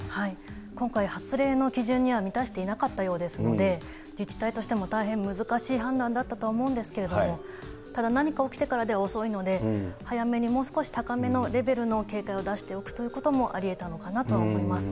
今回、発令の基準には満たしていなかったようですので、自治体としても大変難しい判断だったとは思うんですけれども、ただ、何か起きてからでは遅いので、早めに、もう少し高めのレベルの警戒を出しておくということもありえたのかなとは思います。